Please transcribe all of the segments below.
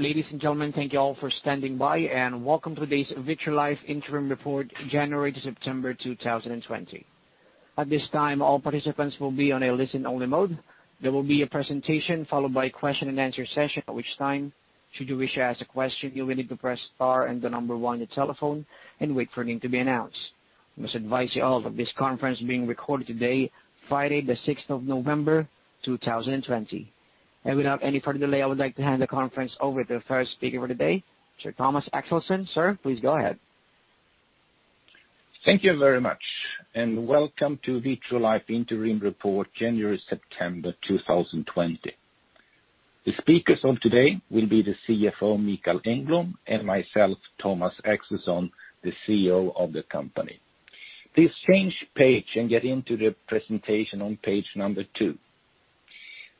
Ladies and gentlemen, thank you all for standing by, and welcome to today's Vitrolife Interim Report, January to September 2020. At this time, all participants will be on a listen-only mode. There will be a presentation followed by a question and answer session, at which time, should you wish to ask a question, you will need to press star and the number one on your telephone and wait for your name to be announced. I must advise you all that this conference is being recorded today, Friday the November 6th, 2020. Without any further delay, I would like to hand the conference over to the first speaker for the day, Sir Thomas Axelsson. Sir, please go ahead. Thank you very much. Welcome to Vitrolife Interim Report January-September 2020. The speakers of today will be the CFO, Mikael Engblom, and myself, Thomas Axelsson, the CEO of the company. Please change page and get into the presentation on page number two.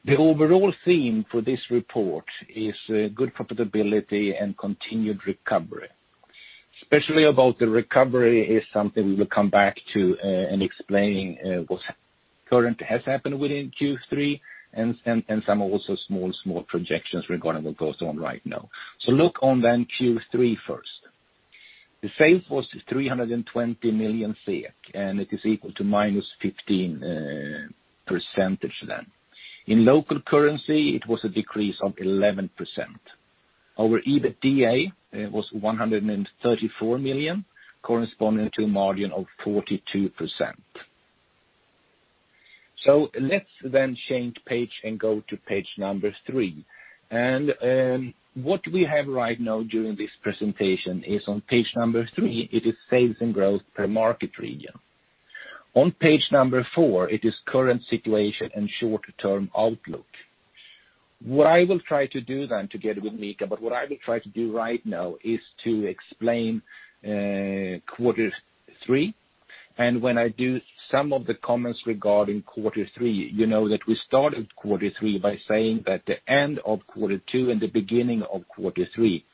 The overall theme for this report is good profitability and continued recovery. Especially about the recovery is something we will come back to and explaining what currently has happened within Q3 and some also small projections regarding what goes on right now. Look on then Q3 first. The sales was 320 million SEK, and it is equal to -15% then. In local currency, it was a decrease of 11%. Our EBITDA was 134 million, corresponding to a margin of 42%. Let's then change page and go to page number three. What we have right now during this presentation is on page number three, it is sales and growth per market region. On page number four, it is current situation and short-term outlook. What I will try to do then together with Mikael, but what I will try to do right now is to explain quarter three. When I do some of the comments regarding quarter three, you know that we started quarter three by saying that the end of quarter two and the beginning of quarter three,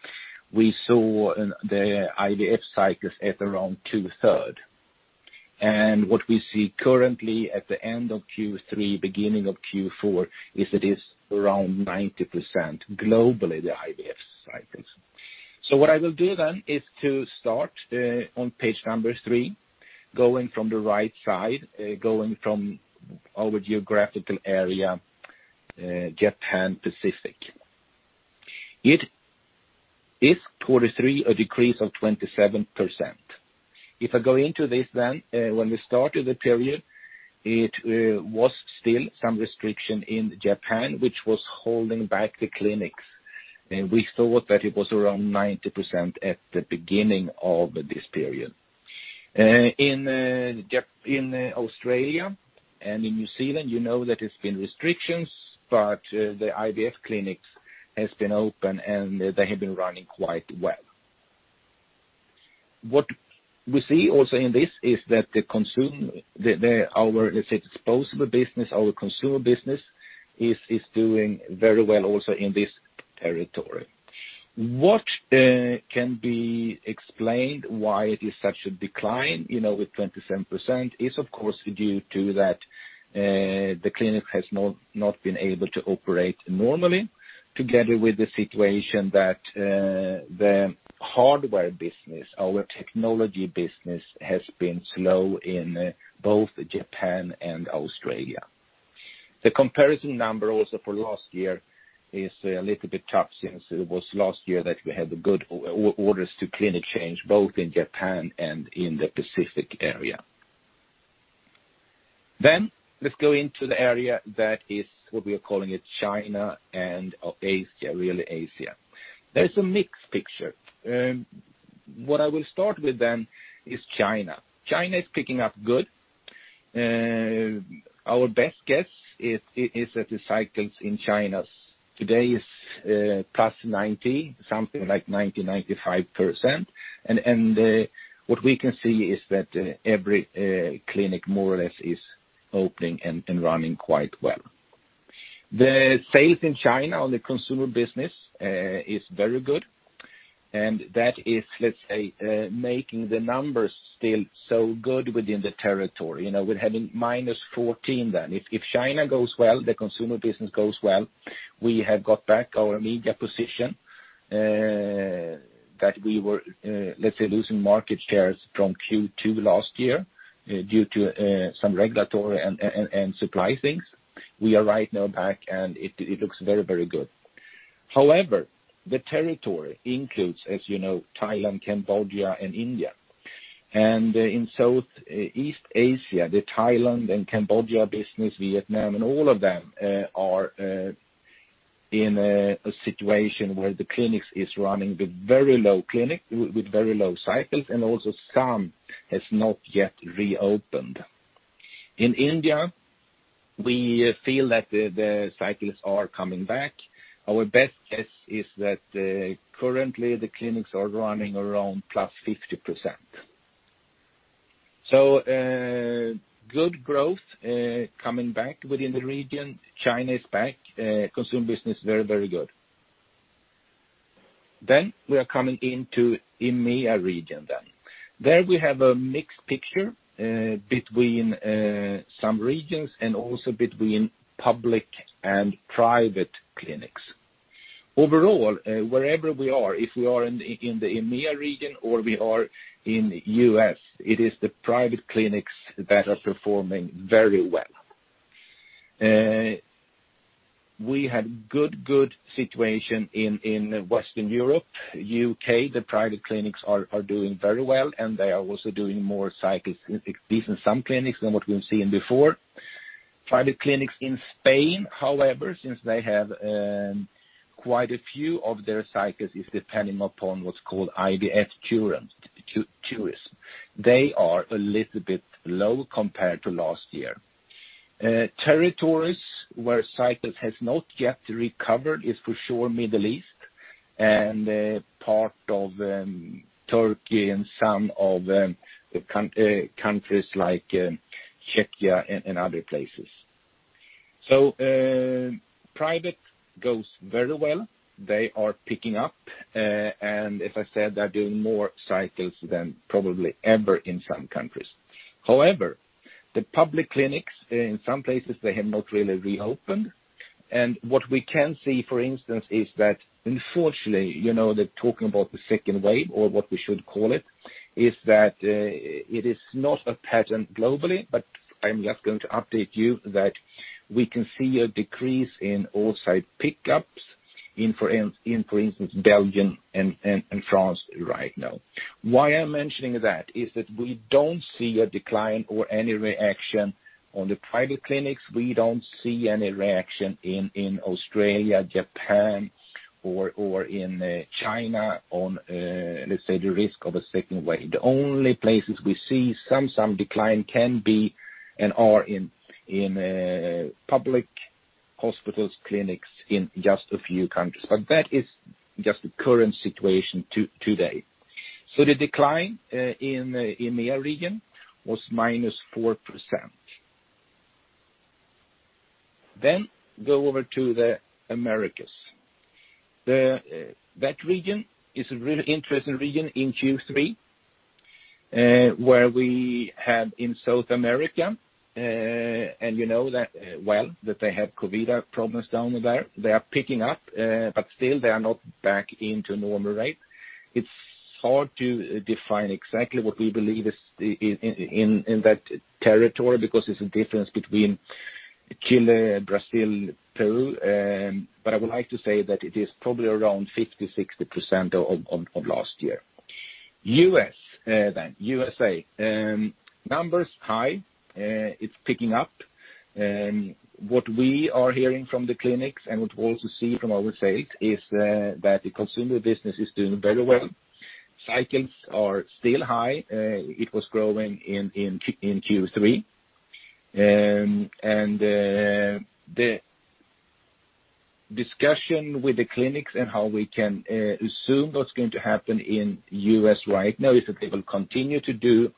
we saw the IVF cycles at around two-third. What we see currently at the end of Q3, beginning of Q4, is it is around 90% globally, the IVF cycles. What I will do then is to start on page number three, going from the right side, going from our geographical area, Japan Pacific. It is quarter three, a decrease of 27%. If I go into this then, when we started the period, it was still some restriction in Japan, which was holding back the clinics. We thought that it was around 90% at the beginning of this period. In Australia and in New Zealand, you know that it's been restrictions, but the IVF clinics has been open, and they have been running quite well. What we see also in this is that our disposable business, our consumer business, is doing very well also in this territory. What can be explained why it is such a decline, with 27%, is of course due to that the clinic has not been able to operate normally together with the situation that the hardware business, our technology business, has been slow in both Japan and Australia. The comparison number also for last year is a little bit tough since it was last year that we had good orders to clinic chains, both in Japan and in the Pacific area. Let's go into the area that is what we are calling it China and Asia, really Asia. There's a mixed picture. What I will start with is China. China is picking up good. Our best guess is that the cycles in China today is +90%, something like 90%-95%. What we can see is that every clinic more or less is opening and running quite well. The sales in China on the consumer business is very good, and that is, let's say, making the numbers still so good within the territory. We're having -14%. If China goes well, the consumer business goes well. We have got back our media position that we were, let's say, losing market shares from Q2 last year due to some regulatory and supply things. We are right now back, and it looks very, very good. However, the territory includes, as you know, Thailand, Cambodia, and India. In Southeast Asia, the Thailand and Cambodia business, Vietnam, and all of them are in a situation where the clinics are running with very low cycles, and also some has not yet reopened. In India, we feel that the cycles are coming back. Our best guess is that currently the clinics are running around plus 50%. Good growth coming back within the region. China is back. Consumer business, very, very good. We are coming into EMEA region. There we have a mixed picture between some regions and also between public and private clinics. Overall, wherever we are, if we are in the EMEA region or we are in the U.S., it is the private clinics that are performing very well. We had good situation in Western Europe. U.K., the private clinics are doing very well. They are also doing more cycles, at least in some clinics, than what we've seen before. Private clinics in Spain, however, since they have quite a few of their cycles is depending upon what's called IVF tourism. They are a little bit low compared to last year. Territories where cycles has not yet recovered is for sure Middle East and part of Turkey and some of the countries like Czechia and other places. Private goes very well. They are picking up. As I said, they're doing more cycles than probably ever in some countries. The public clinics, in some places, they have not really reopened. What we can see, for instance, is that unfortunately, they're talking about the second wave, or what we should call it, is that it is not a pattern globally, but I'm just going to update you that we can see a decrease in oocyte pickups in, for instance, Belgium and France right now. Why I'm mentioning that is that we don't see a decline or any reaction on the private clinics. We don't see any reaction in Australia, Japan, or in China on, let's say, the risk of a second wave. The only places we see some decline can be and are in public hospitals, clinics in just a few countries. That is just the current situation today. The decline in the EMEA region was minus 4%. Go over to the Americas. That region is a really interesting region in Q3, where we had in South America, and you know well that they have COVID problems down there. They are picking up, but still they are not back into normal rate. It's hard to define exactly what we believe is in that territory because there's a difference between Chile, Brazil, Peru, but I would like to say that it is probably around 50%-60% of last year. U.S. U.S.A. Numbers high. It's picking up. What we are hearing from the clinics and what we also see from our sales is that the consumer business is doing very well. Cycles are still high. It was growing in Q3. The discussion with the clinics and how we can assume what's going to happen in U.S. right now is that they will continue to do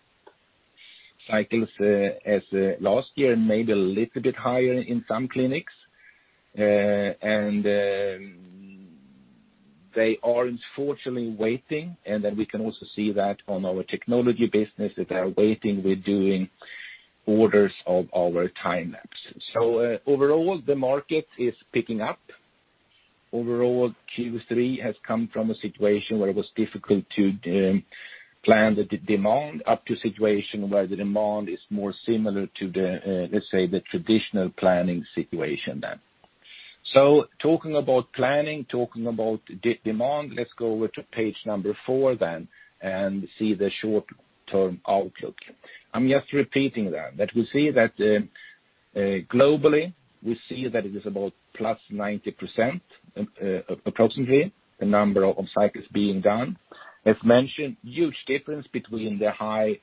cycles as last year, and maybe a little bit higher in some clinics. They are unfortunately waiting, we can also see that on our technology business, that they are waiting with doing orders of our time-lapse. Overall, the market is picking up. Overall, Q3 has come from a situation where it was difficult to plan the demand up to situation where the demand is more similar to the, let's say, the traditional planning situation then. Talking about planning, talking about demand, let's go over to page number four then and see the short-term outlook. I'm just repeating that we see that globally, we see that it is about +90%, approximately, the number of cycles being done. As mentioned, huge difference between the high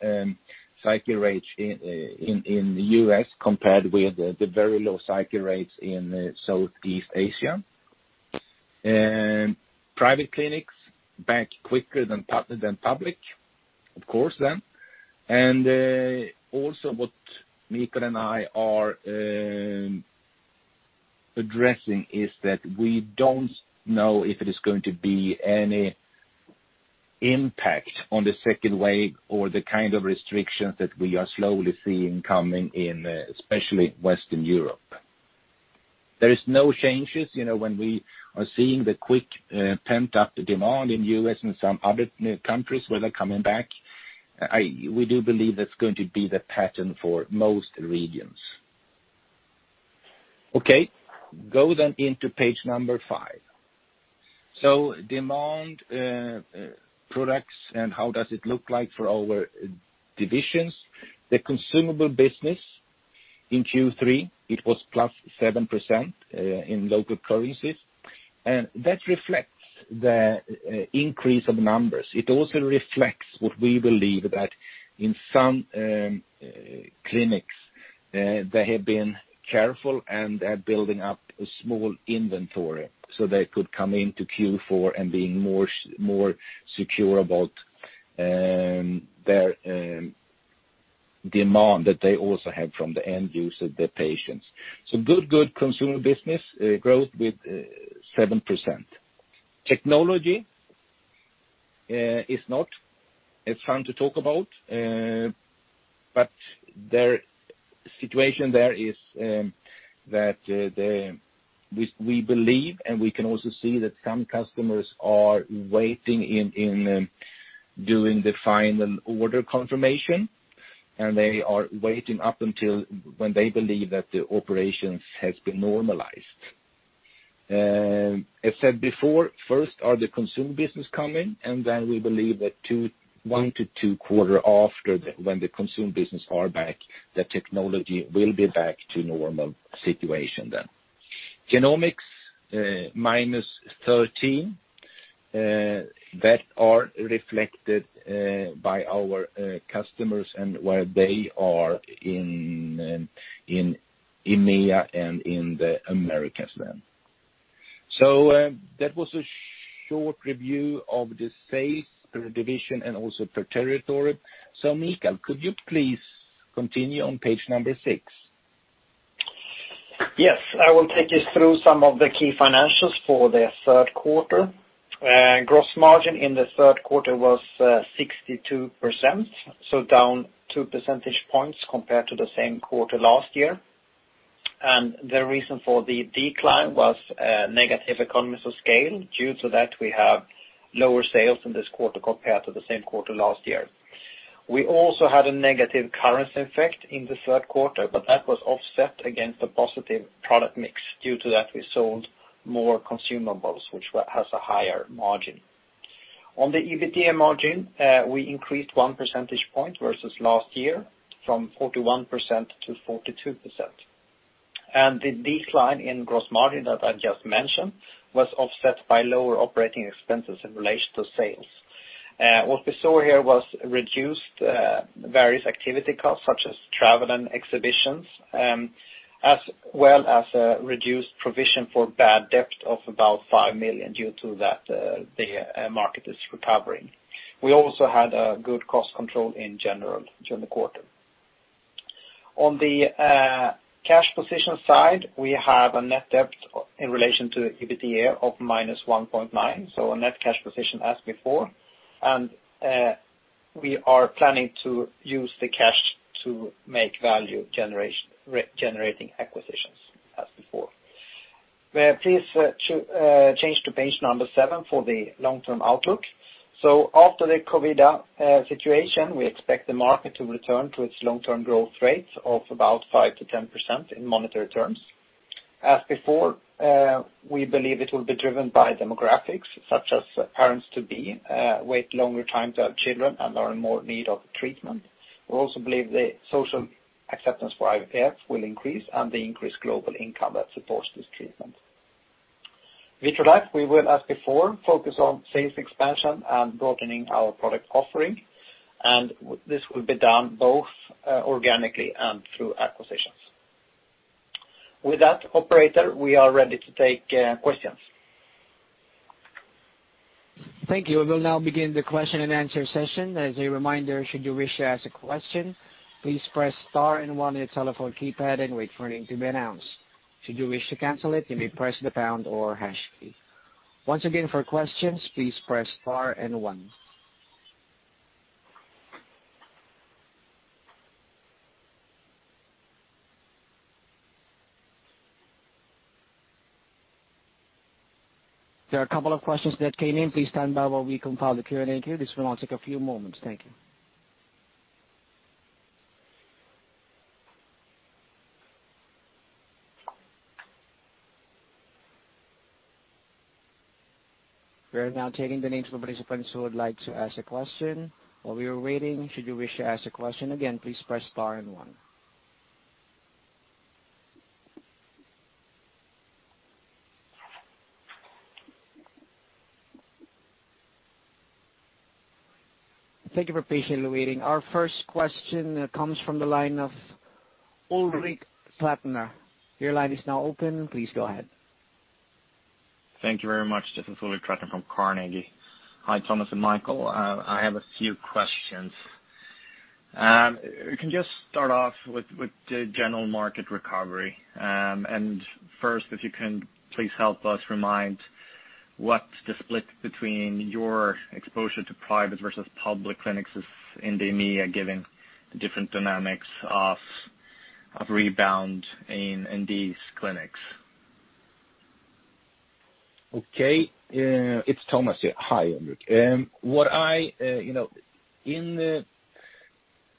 cycle rates in the U.S. compared with the very low cycle rates in Southeast Asia. Private clinics back quicker than public, of course then. Also what Mikael and I are addressing is that we don't know if it is going to be any impact on the second wave or the kind of restrictions that we are slowly seeing coming in, especially Western Europe. There is no changes. When we are seeing the quick pent-up demand in U.S. and some other new countries where they're coming back, we do believe that's going to be the pattern for most regions. Okay, go then into page number five. Demand products and how does it look like for our divisions. The consumable business in Q3, it was plus 7% in local currencies, and that reflects the increase of numbers. It also reflects what we believe that in some clinics, they have been careful, and they're building up a small inventory so they could come into Q4 and be more secure about their demand that they also have from the end user, the patients. Good consumer business growth with 7%. Technology is not as fun to talk about, the situation there is that we believe, and we can also see that some customers are waiting in doing the final order confirmation, and they are waiting up until when they believe that the operations has been normalized. As said before, first are the consumer business coming, then we believe that one to two quarter after, when the consumer business are back, the technology will be back to normal situation then. Genomics, minus 13%, that are reflected by our customers and where they are in EMEA and in the Americas then. That was a short review of the sales per division and also per territory. Mikael, could you please continue on page number six? I will take us through some of the key financials for the third quarter. Gross margin in the third quarter was 62%, down two percentage points compared to the same quarter last year. The reason for the decline was negative economies of scale. Due to that, we have lower sales in this quarter compared to the same quarter last year. We also had a negative currency effect in the third quarter, that was offset against the positive product mix. Due to that, we sold more consumables, which has a higher margin. On the EBITDA margin, we increased one percentage point versus last year, from 41%-42%. The decline in gross margin that I just mentioned was offset by lower operating expenses in relation to sales. What we saw here was reduced various activity costs, such as travel and exhibitions, as well as a reduced provision for bad debt of about 5 million due to that the market is recovering. We also had a good cost control in general during the quarter. On the cash position side, we have a net debt in relation to EBITDA of -1.9, so a net cash position as before. We are planning to use the cash to make value generating acquisitions as before. Please change to page number seven for the long-term outlook. After the COVID situation, we expect the market to return to its long-term growth rates of about 5%-10% in monetary terms. As before, we believe it will be driven by demographics such as parents-to-be, wait longer time to have children and are in more need of treatment. We also believe the social acceptance for IVF will increase and the increased global income that supports this treatment. Vitrolife, we will, as before, focus on sales expansion and broadening our product offering. This will be done both organically and through acquisitions. With that, operator, we are ready to take questions. Thank you. We will now begin the question and answer session. As a reminder, should you wish to ask a question, please press star and one on your telephone keypad. Wait for your name to be announced. Should you wish to cancel it, you may press the pound or hash key. Once again, for questions, please press star and one. There are a couple of questions that came in. Please stand by while we compile the Q&A queue. This will now take a few moments. Thank you. We are now taking the names of participants who would like to ask a question. While we are waiting, should you wish to ask a question, again, please press star and one. Thank you for patiently waiting. Our first question comes from the line of Ulrik Trattner. Your line is now open. Please go ahead. Thank you very much. This is Ulrik Trattner from Carnegie. Hi, Thomas and Mikael. I have a few questions. We can just start off with the general market recovery. First, if you can please help us remind what the split between your exposure to private versus public clinics is in the EMEA, given the different dynamics of rebound in these clinics. Okay. It's Thomas here. Hi, Ulrik.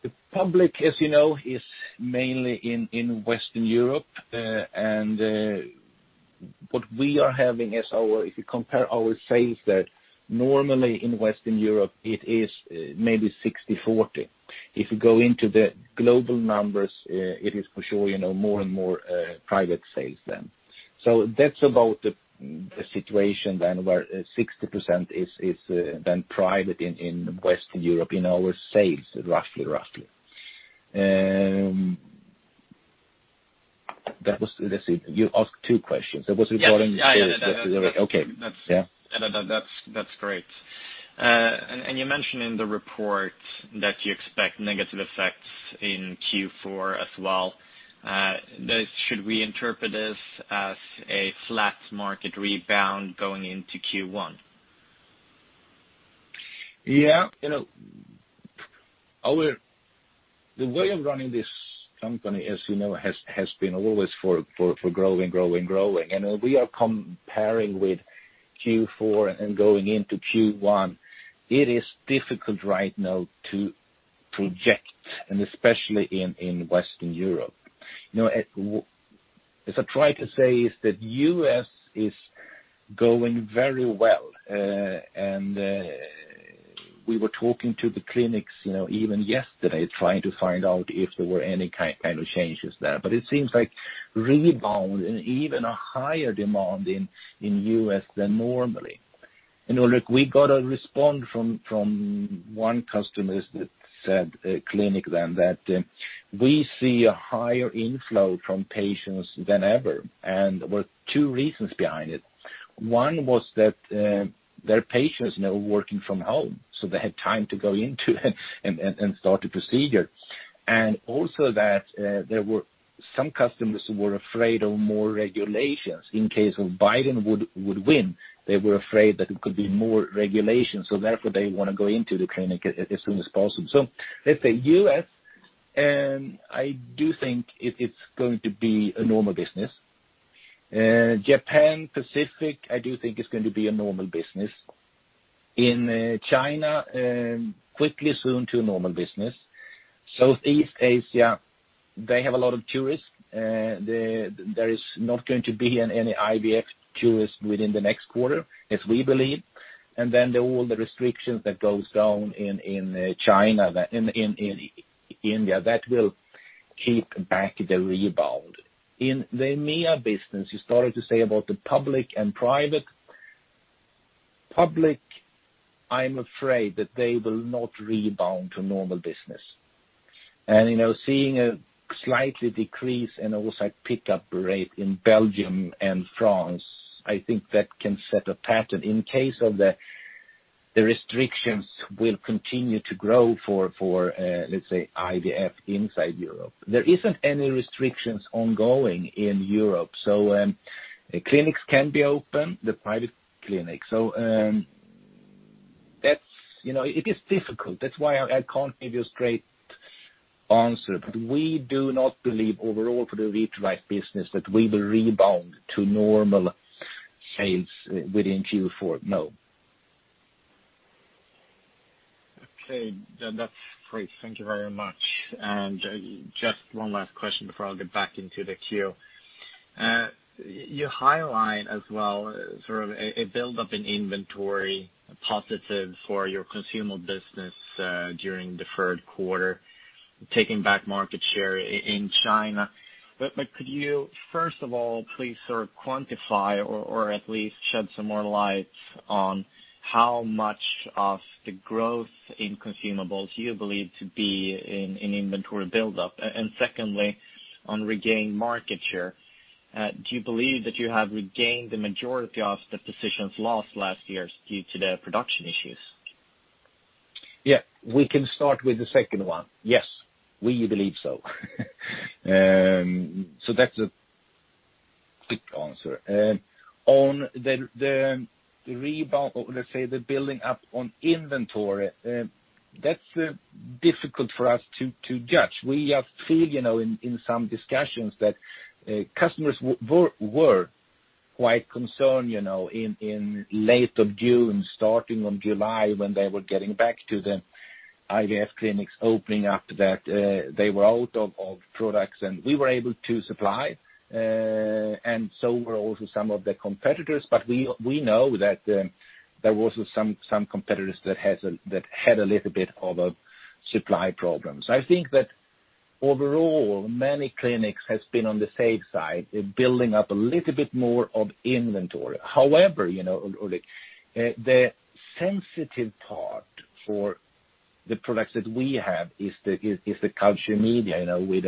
The public, as you know, is mainly in Western Europe. What we are having is, if you compare our sales there, normally in Western Europe, it is maybe 60/40. If you go into the global numbers, it is for sure more and more private sales then. That's about the situation then where 60% is then private in Western Europe in our sales, roughly. You asked two questions. Yes okay. Yeah. That's great. You mentioned in the report that you expect negative effects in Q4 as well. Should we interpret this as a flat market rebound going into Q1? Yeah. The way of running this company, as you know, has been always for growing. We are comparing with Q4 and going into Q1, it is difficult right now to project, and especially in Western Europe. As I try to say is that U.S. is going very well. We were talking to the clinics even yesterday, trying to find out if there were any kind of changes there. It seems like rebound and even a higher demand in U.S. than normally. Look, we got a response from one customer that said, clinic then that, we see a higher inflow from patients than ever, and were two reasons behind it. One was that their patients now working from home, they had time to go into and start the procedure. Also that there were some customers who were afraid of more regulations. In case of Biden would win, they were afraid that it could be more regulation, therefore they want to go into the clinic as soon as possible. Let's say U.S., I do think it's going to be a normal business. Japan, Pacific, I do think it's going to be a normal business. In China, quickly soon to a normal business. Southeast Asia, they have a lot of tourists. There is not going to be any IVF tourists within the next quarter, as we believe. All the restrictions that goes down in China, in India, that will keep back the rebound. In the EMEA business, you started to say about the public and private. Public, I'm afraid that they will not rebound to normal business. Seeing a slightly decrease in oocyte pickup rate in Belgium and France, I think that can set a pattern in case of the restrictions will continue to grow for, let's say, IVF inside Europe. There isn't any restrictions ongoing in Europe. Clinics can be open, the private clinic. It is difficult. That's why I can't give you a straight answer. We do not believe overall for the Vitrolife business that we will rebound to normal sales within Q4. No. Okay. That's great. Thank you very much. Just one last question before I'll get back into the queue. You highlight as well, sort of a build-up in inventory positive for your consumable business during the third quarter, taking back market share in China. Could you, first of all, please sort of quantify or at least shed some more light on how much of the growth in consumables you believe to be in inventory build-up? And secondly, on regained market share, do you believe that you have regained the majority of the positions lost last year due to the production issues? Yeah. We can start with the second one. Yes, we believe so. That's a quick answer. On the rebound, or let's say the building up on inventory, that's difficult for us to judge. We have feel, in some discussions that customers were quite concerned in late of June, starting on July, when they were getting back to the IVF clinics opening after that. They were out of products, and we were able to supply, and so were also some of the competitors. We know that there were also some competitors that had a little bit of a supply problem. I think that overall, many clinics has been on the safe side, building up a little bit more of inventory. The sensitive part for the products that we have is the culture media, with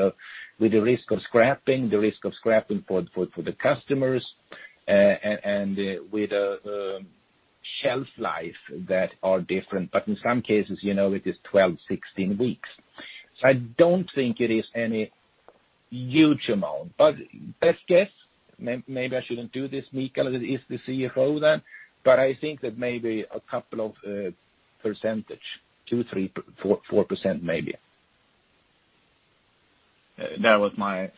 the risk of scrapping, the risk of scrapping for the customers, and with shelf life that are different. In some cases, it is 12, 16 weeks. I don't think it is any huge amount. Best guess, maybe I shouldn't do this, Mikael, is the CFO then, but I think that maybe a couple of percentage, 2%, 3%, 4% maybe. That was my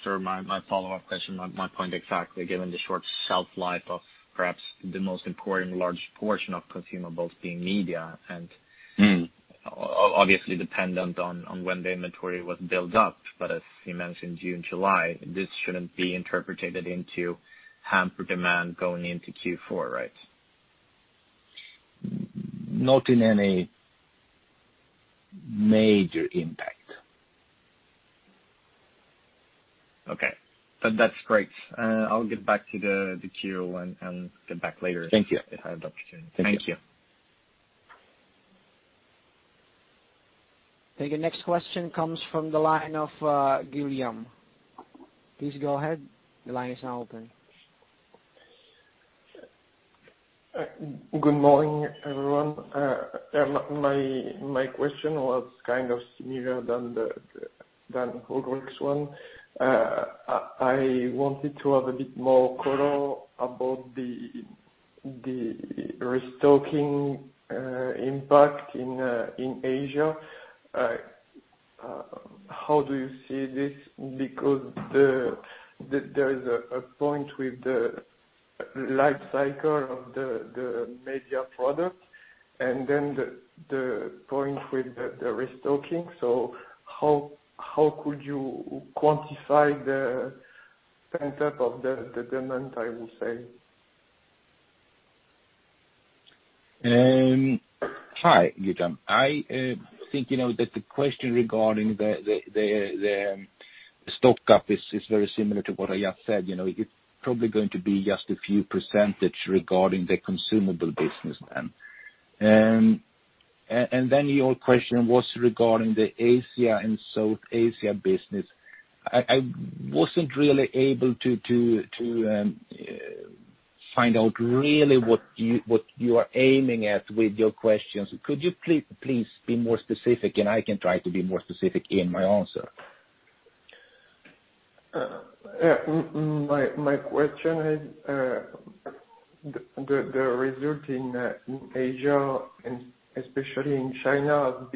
follow-up question. My point exactly, given the short shelf life of perhaps the most important large portion of consumables being media. obviously dependent on when the inventory was built up. As you mentioned, June, July, this shouldn't be interpreted into hampered demand going into Q4, right? Not in any major impact. Okay. That's great. I'll get back to the queue and get back later. Thank you. if I have the opportunity. Thank you. Okay, your next question comes from the line of Guillaume. Please go ahead. Good morning, everyone. My question was kind of similar than the inaudible one. I wanted to have a bit more color about the restocking impact in Asia. How do you see this? There is a point with the life cycle of the media product and then the point with the restocking. How could you quantify the pent-up of the demand, I will say? Hi, Guillaume. I think that the question regarding the stock-up is very similar to what I just said. It's probably going to be just a few percentage regarding the consumable business then. Your question was regarding the Asia and South Asia business. I wasn't really able to find out really what you are aiming at with your questions. Could you please be more specific, and I can try to be more specific in my answer? My question is, the result in Asia and especially in China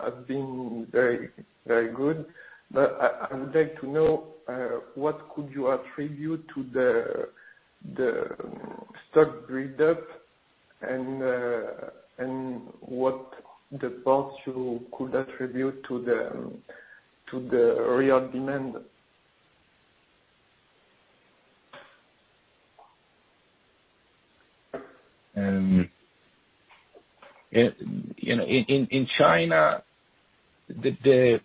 has been very good, but I would like to know what could you attribute to the stock build-up and what the parts you could attribute to the real demand? In China, the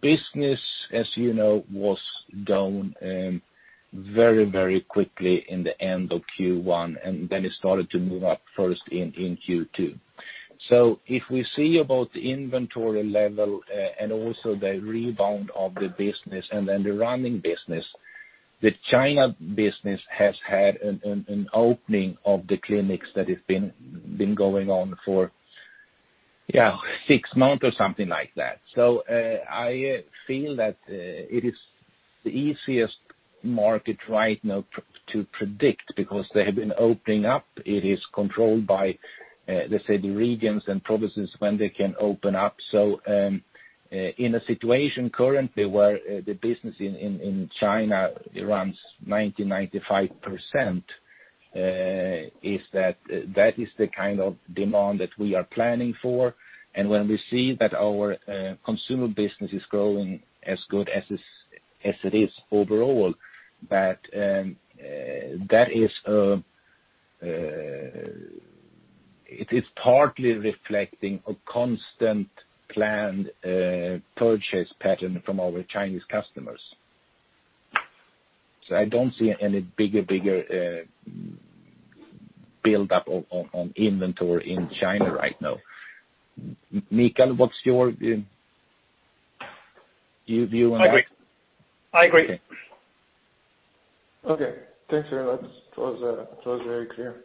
business, as you know, was down very quickly in the end of Q1, and then it started to move up first in Q2. If we see about the inventory level and also the rebound of the business and then the running business, the China business has had an opening of the clinics that have been going on for six months or something like that. I feel that it is the easiest market right now to predict because they have been opening up. It is controlled by, let's say, the regions and provinces when they can open up. In a situation currently where the business in China runs 90%, 95%, that is the kind of demand that we are planning for. When we see that our consumer business is growing as good as it is overall, that it is partly reflecting a constant planned purchase pattern from our Chinese customers. I don't see any bigger build-up on inventory in China right now. Mikael, what's your view on that? I agree. Okay. Thanks very much. That was very clear.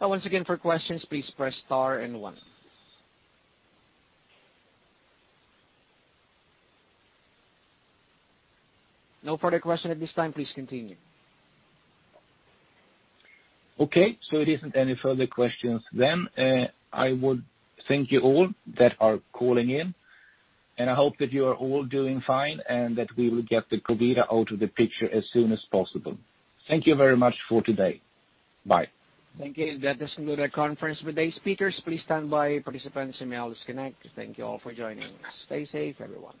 Once again, for questions, please press star and one. No further question at this time. Please continue. If there isn't any further questions then, I would thank you all that are calling in, and I hope that you are all doing fine and that we will get the COVID out of the picture as soon as possible. Thank you very much for today. Bye. Thank you. That does conclude our conference with the speakers. Please stand by, participants, you may all disconnect. Thank you all for joining us. Stay safe, everyone.